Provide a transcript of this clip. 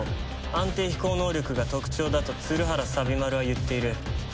安定飛行能力が特徴だと鶴原丸は言っている。